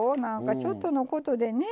ちょっとのことでね。